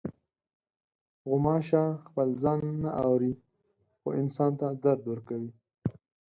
غوماشه خپل ځان نه اوري، خو انسان ته درد ورکوي.